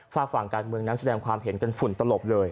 ฝากฝั่งการเมืองนั้นแสดงความเห็นกันฝุ่นตลบเลย